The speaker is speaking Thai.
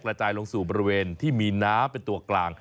จายลงสู่บริเวณที่มีน้ำเป็นตัวกลาง